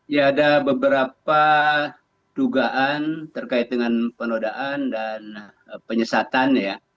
ya ada beberapa dugaan terkait dengan penodaan dan penyesatan ya